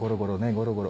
ゴロゴロ。